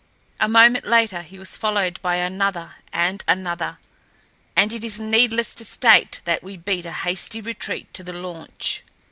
A moment later, he was followed by another and another, and it is needless to state that we beat a hasty retreat to the launch.